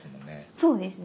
そうですね。